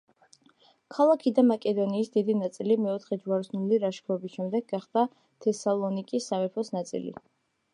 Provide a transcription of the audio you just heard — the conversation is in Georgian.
ქალაქი და მაკედონიის დიდი ნაწილი მეოთხე ჯვაროსნული ლაშქრობის შემდეგ გახდა თესალონიკის სამეფოს ნაწილი.